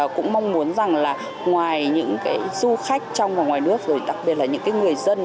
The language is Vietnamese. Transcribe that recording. cũng mong muốn rằng là ngoài những cái du khách trong và ngoài nước rồi đặc biệt là những người dân